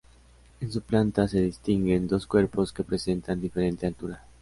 En su planta se distinguen dos cuerpos que presentan diferente altura.